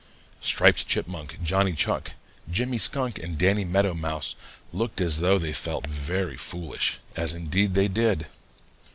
Striped Chipmunk, Johnny Chuck, Jimmy Skunk, and Danny Meadow Mouse looked as though they felt very foolish, as indeed they did.